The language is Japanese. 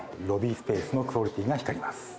ロビースペースのクオリティーが光ります